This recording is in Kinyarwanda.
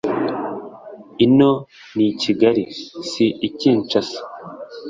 Ino ni I Kigali si Kinshasa